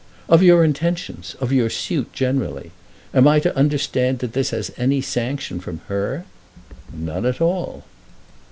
"Of your intentions; of your suit generally? Am I to understand that this has any sanction from her?" "None at all."